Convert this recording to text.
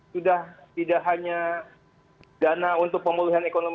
sudah tidak hanya dana untuk pemulihan ekonomi